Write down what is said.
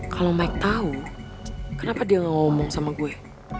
kalau mike tau kenapa dia gak ngomong sama gue